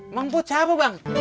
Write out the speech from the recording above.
mamput siapa bang